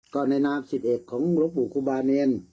ก็ในนามสิทธิ์เอกของลูกบุคุบาเนียน